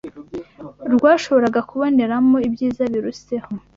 rwashobora kuboneramo ibyiza biruseho